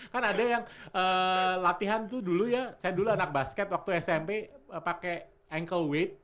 kan ada yang latihan tuh dulu ya saya dulu anak basket waktu smp pakai ankle with